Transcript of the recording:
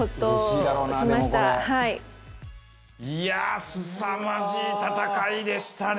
いやあすさまじい戦いでしたね！